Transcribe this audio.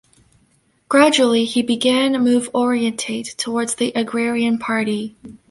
Gradually he began move orientate towards the agrarian party.